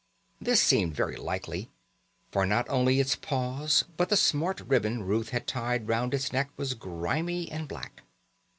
This seemed very likely, for not only its paws but the smart ribbon Ruth had tied round its neck was grimy and black.